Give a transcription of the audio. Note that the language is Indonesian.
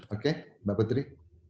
oke mbak putri